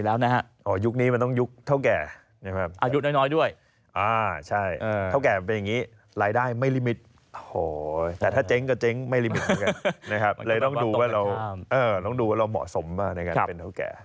เอ้ามาดูกัน